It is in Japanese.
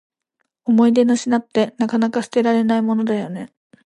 思い出の品って、なかなか捨てられないものだよね。